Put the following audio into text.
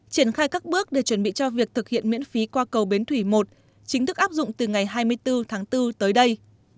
triển khai các bước để chuẩn bị cho việc thực hiện miễn phí qua cầu bến thủy một chính thức áp dụng từ ngày hai mươi bốn tháng bốn tới đây